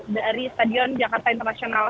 dari stadion jakarta internasional